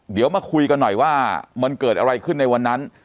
เดี๋ยวมาคุยกันหน่อยว่ามันเกิดอะไรขึ้นในวันนั้น